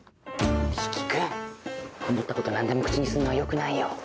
理輝君思ったこと何でも口にすんのはよくないよ。